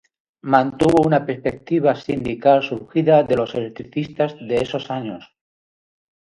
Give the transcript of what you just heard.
Mantuvo una perspectiva sindical surgida de los electricistas de esos años.